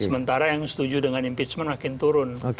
sementara yang setuju dengan impeachment makin turun